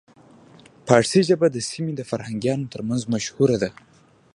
پارسي ژبه د سیمې د فرهنګیانو ترمنځ مشهوره وه